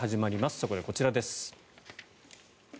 そこでこちらです。